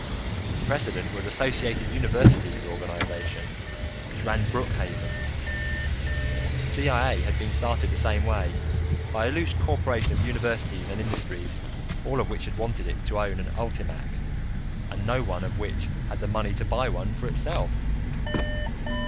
The precedent was the Associated Universities organization which ran Brookhaven; CIA had been started the same way, by a loose corporation of universities and industries all of which had wanted to own an ULTIMAC and no one of which had had the money to buy one for itself.